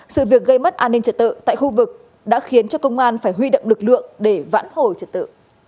sự việc gây mất an ninh trật tự tại khu vực đã khiến cho công an phải huy động lực lượng để vãn hồi trật tự